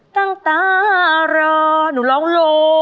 ตั้งตารอหนูร้องโล